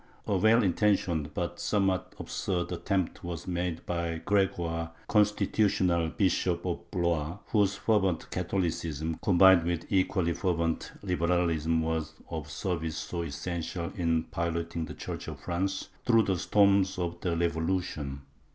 A well intentioned, but some what absurd, attempt was made by Gregoire, Constitutional Bishop of Blois, whose fervent Catholicism, combined with equally fervent liberalism, was of service so essential in piloting the Church of France through the storms of the Revolution.